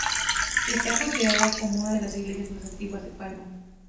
Está considerada como una de las iglesias más antiguas de Palma.